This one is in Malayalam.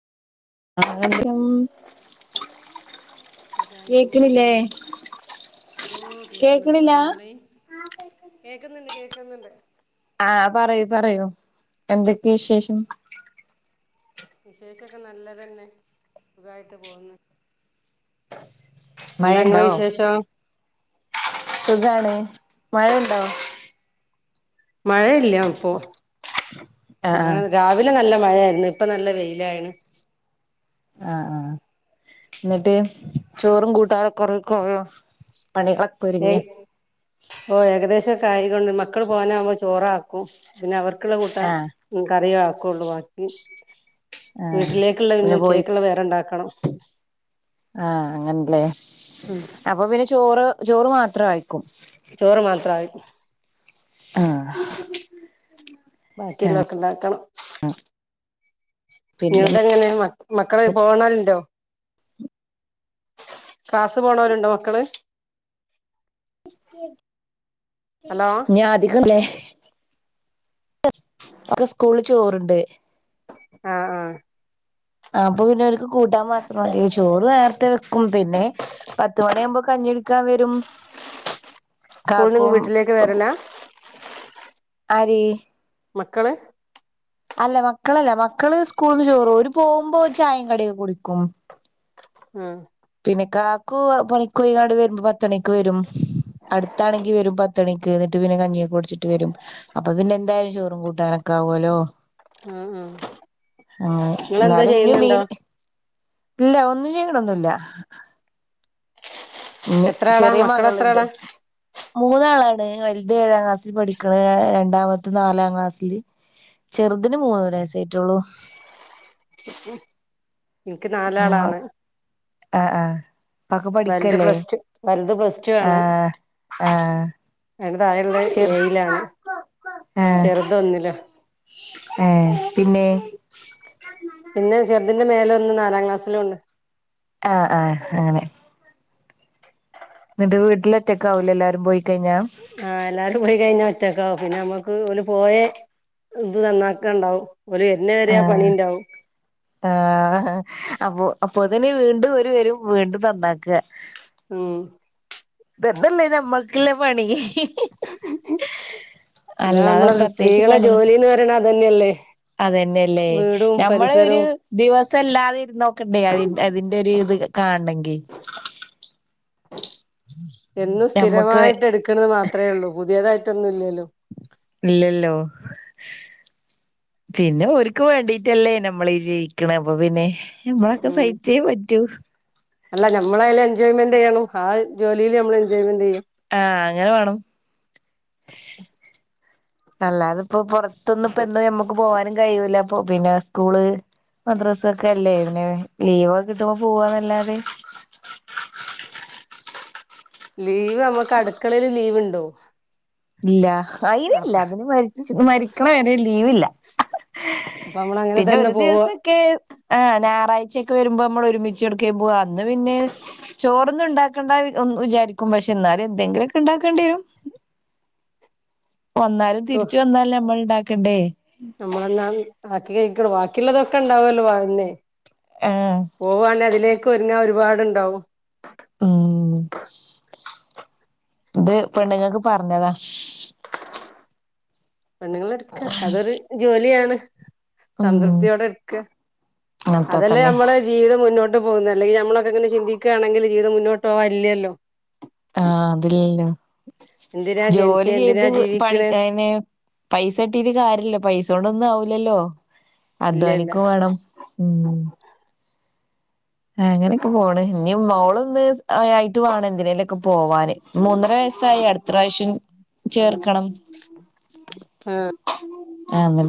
ഹലോ ആദ്യം സുഖായിട്ട് കേക്കണില്ലേ പോകുന്നു ഓ കേക്കുന്നുണ്ട് കേക്കണില്ല പറഞ്ഞോളി കേക്കുന്നുണ്ട് കേക്കുന്നുണ്ട് ആഹ് പറയൂ പറയൂ എന്തൊക്കെയാ വിശേഷം വിശേഷമൊക്കെ നല്ലതന്നെ സുഖമായിട്ട് പോകുന്നു എന്താ ഇങ്ങളെ മഴയുണ്ടോ വിശേഷം സുഖാണ് മഴയുണ്ടോ മഴയില്ല ഇപ്പൊ ആഹ് മഴ ആഹ് രാവി ലെ നല്ല മഴയായിരുന്നു ഇപ്പൊ നല്ല വെയിലായിണ് ആഹ് ആഹ് എന്നിട്ട് ചോറും കൂട്ടാനൊക്കെ കൊറേയൊക്കെ ആയോ പണികളൊ ഏ ഓ ഏകദേശവൊക്കെ ആയിക്കണ് ഇനി മക്കള് പോവാനാകുമ്പോ ചോറാ ക്കും പിന്നെ അവർക്കുള്ള കൂട്ടാൻ ആഹ് കറിയേ ആക്കൂള്ളൂ ബാക്കി ആ വീട്ടിലേക്കുള്ള പിന്നെ പോയി ഉച്ചക്കുള്ള വേറെ ഉണ്ടാക്കണം ആഹ് അങ്ങനല്ലേ ഉം അപ്പൊപ്പിന്നെ ചോറ് ചോറ് മാത്രം ആയിക്കും ചോറ് മാത്രം ആയി ബാക്കിയുള്ളതൊക്കെ ഉണ്ടാക്കണം ആഹ് പിന്നെ നിങ്ങളടെതെങ്ങനെയാണ് മക്കള് പോണലുണ്ടോ ക്ലാസ് പോണോരുണ്ടോ മക്കള് ഹലോ ഞാൻ അധികല്ലേ അവരുടെ സ്കൂളിൽ ചോറുണ്ട് ആഹ് ആഹ് ആഹ് അപ്പോ പിന്നെ ഓൽക്ക് കൂട്ടാൻ മാത്രം ചോറ് നേരത്തെ വെക്കും പിന്നെ പത്ത് മണിയവുമ്പോ കഞ്ഞി ക്കാൻ വരും സ്കൂളിൽ നിന്ന് കാക്കും വീട്ടിലേക്ക് വരലാ ആര് മക്കള് അല്ല മക്കളല്ല മക്കള് സ്കൂളീന്ന് ചോറും ഓര് പോകുമ്പോ ചായ കടിയൊക്കെ കുടിക്കും ആഹ് പിന്നെ കാക്കു പണിക്ക് പോയാണ്ട് വരുമ്പോ പത്ത് മണിക്ക് വരും അടുത്താണെങ്കിൽ വരും പത്ത് മണിക്ക് എന്നിട്ട് പിന്നെ കഞ്ഞിയൊക്കെ കുടിച്ചിട്ട്‌ വരും അപ്പൊ പിന്നെ എന്തായാലും ചോറും കൂട്ടാനൊ ക്കെ ആവൂലോ ഉം ഉം അങ്ങനെ നിങ്ങളെന്തോ എന്നാലും ഇനിയും ചെയ്യുന്നുണ്ടോ മീന് ഇല്ല ഒന്നും ചെയ്യണോന്നുമില്ല ഇഞ്ഞ് എത്ര ആളാ ചെറിയ മക്കള് എത്ര മകളുണ്ട് ആളാ മൂന്നാളാണ് വലുത്‌ ഏഴാം ക്ലാസ്സിൽ പഠിക്കണ് രണ്ടാമത്തെ നാലാം ക്ലാസില് ചെറുതിന് മൂന്നര വയസേ ആയിട്ടുള്ളൂ അെ [unintelligible] എനക്ക് ഉം നാലാളാണ് ആഹ് ആഹ് ഒക്കെ വലുത് പഠിക്കല്ലേ പ്ലസ് ടു വലത് പ്ലസ് ആഹ് ആഹ് അയിന്റെ താഴെ ഉള്ളത്‌ ചെറു ഏഴിലാണ് ചെറുത് ഒന്നില് ഉം പിന്നെ പിന്നെ ചെറുതിന്റെ മേലെ ഒന്ന് നാലാം ക്ലാസിലുണ്ട് ആഹ് ആഹ് അങ്ങനെ എന്നിട്ട് വീട്ടില് ഒറ്റക്കാവൂല്ലേ എല്ലാരും പോയിക്കഴിഞ്ഞാ ആ എല്ലാവരും പോയി കഴിഞ്ഞാ ഒറ്റക്കാവും പിന്നെ നമ്മുക്ക് ഓല് പോയെ ഇത് നന്നാക്ക ഇണ്ടാവും ഓല് വര്നെ വരെ ആഹ് പണിണ്ടാവും ആഹ് അപ്പൊ അപ്പോത്തിന് വീണ്ടും ഓര് വെരും വീണ്ടും നന്നാക്ക ഉം ഇതന്നെല്ലെ നമ്മക് ല്ലെ പണി ന്താ അല്ലാതെ നമ്മളെ പ്രത്യേകിച്ച് സ്ത്രീകളെ ജോലിന്ന് പറിണത് അതനെല്ലേ അതനെല്ലേ ഞമ്മളെ ഒരു ദിവസല്ലാതെ ഇരുന്നോക്കണ്ടേ അതി അതിന്റെ ഒരു ഇത് കാണണെങ്കി എന്നും ഞമ്മക്ക് സ്ഥിരമായിട്ട് എടുക്ണത് മാത്ര ഒള്ളൂ പുതിയതായിട്ടൊന്നും ഇല്ലല്ലോ ഇല്ലല്ലോ പിന്നെ ഒര്ക്ക് വേണ്ടീട്ടല്ലേ നമ്മളി ഈ ജിവിക്ണെ അപ്പൊ പിന്നെ നമ്മളൊക്കെ ഉം സഹിച്ചേ പറ്റൂ അല്ല നമ്മെള അയ്ല് എൻജോയ്മെന്റ് ചെയ്യണം ആഹ് ജോലിയില് നമ്മള് എൻജോയ്മെന്റ് ചെയ്യ ആഹ് അങ്ങനെ വേണം അല്ലാതെ ഇപ്പോ പുറത്തൊന്നും ഇപ്പ എന്നും ഞമ്മക്ക് പോവാനും കഴിയൂല പിന്നെ സ്കൂള് മദ്രാസ ഒക്കെ അല്ലേ പിന്നെ ലീവൊക്കെ കിട്ടുമ്പോ പോവ നല്ലാതെ ലീവ് അമ്മക്ക് അടുക്കളേല് ലീവ് ഇണ്ടോ? ഇല്ല അയിനില്ല അതിന് മരിച്ച് മരിക്ക്ണത് വരെ ലീവില്ല അപ്പൊ നമ്മൾ അങ്ങനെ പിന്നെ തന്നെ ഒരു പോവാ ദിവസം കെ ആഹ് ഞാറാഴ്ചയൊക്കെ വരുമ്പോ നമ്മള് ഒരുമിച്ച് എട്ക്കേം പോവാ അന്ന് പിന്നെ ചോറൊന്നും ഇണ്ടാക്കണ്ടന്ന് വിചാരിക്കും പക്ഷെ എന്നാലും എന്തെങ്കിലുക്കെ ഇണ്ടാക്കേണ്ടി വെരും വന്നാലും ഓ തിരിച്ച് വന്നാലും ഞമ്മൾ ഇണ്ടാക്കണ്ടേ? നമ്മളെന്നാ ബാക്കി കഴിക്കട ബാക്കിള്ളതൊക്കെ ഇണ്ടാവല്ലോ വന്നെ ആ പോവാണ് അതിലേക്ക് ഒരുങ്ങാൻ ഒരു പാടുണ്ടാവും ഉം ഇത് പെണ്ണ്ങ്ങക്ക് പർഞ്ഞതാ പെണ്ണുങ്ങള് ഇട്ക്ക അതൊരു ജോലിയാണ് ഉം സംതൃപ്തിയോടെ ഇട്ക്ക അത്ര അതല്ലേ തന്നെ നമ്മള് ജീവിതം മുന്നോട്ട് പോകുന്ന അലങ്കിൽ നമ്മളൊക്കെ ഇങ്ങനെ ചിന്തിക്കാണെങ്കിൽ ജീവിതം മുന്നോട്ട് പോക ഇല്ലല്ലോ ആഹ് അതിലല്ലോ എന്തിനാ ജനിച്ചേ ജോലി ചെയ്ത് എന്തിനാ പണി ജീവിക്കണേ അയിന് പൈസട്ടീട്ട് കാര്യല്ലോ പൈസോണ്ട് ഒന്നും ആവുല്ലല്ലോ ഇല്ലല്ല അധ്വാനിക്കും വേണം ഉം അങ്ങനെക്കെ പോണ് ഇനി മോള് ഒന്ന് ആയിട്ട് വേണം എന്തിനേലൊക്കെ പോവാന് മൂന്നര വയസ് സായി അട്ത്തറാവശ്യം ചേർക്കണം ആഹ് ഇ